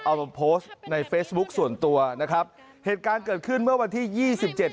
เอามาโพสต์ในเฟซบุ๊คส่วนตัวนะครับเหตุการณ์เกิดขึ้นเมื่อวันที่ยี่สิบเจ็ด